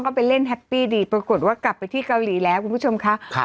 ก็ไปเล่นแฮปปี้ดีปรากฏว่ากลับไปที่เกาหลีแล้วคุณผู้ชมค่ะครับ